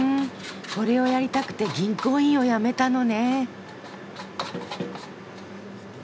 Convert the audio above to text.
これをやりたくて銀行員を辞めたのね。